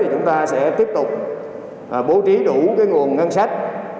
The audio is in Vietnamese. chúng ta sẽ tiếp tục bố trí đủ nguồn ngân sách